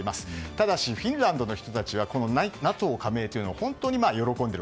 ただし、フィンランドの人たちはＮＡＴＯ加盟というのを本当に喜んでいる。